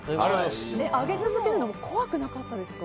上げ続けるの怖くなかったですか？